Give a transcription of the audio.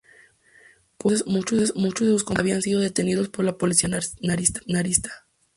Por ese entonces muchos de sus compañeros habían sido detenidos por la policía zarista.